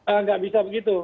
enggak bisa begitu